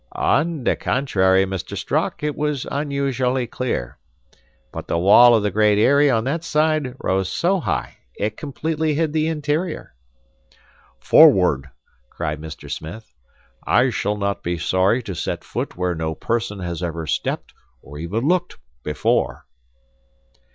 "On the contrary, Mr. Strock, it was unusually clear. But the wall of the Great Eyrie on that side rose so high, it completely hid the interior." "Forward," cried Mr. Smith. "I shall not be sorry to set foot where no person has ever stepped, or even looked, before."